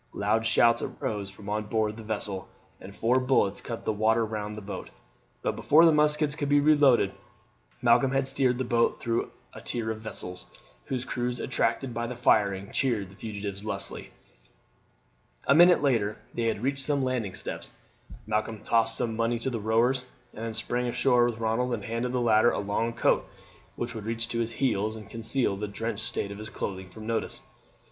Loud shouts arose from on board the vessel, and four bullets cut the water round the boat; but before the muskets could be reloaded Malcolm had steered the boat through a tier of vessels, whose crews, attracted by the firing, cheered the fugitives lustily. A minute later they had reached some landing steps. Malcolm tossed some money to the rowers, and then sprang ashore with Ronald, and handed the latter a long coat which would reach to his heels and conceal the drenched state of his clothing from notice.